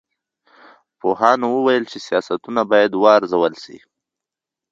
پوهانو وویل چې سیاستونه باید وارزول سي.